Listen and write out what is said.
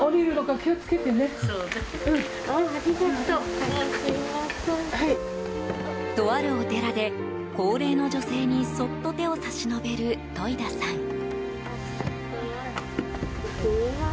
とあるお寺で高齢の女性にそっと手を差し伸べる戸井田さん。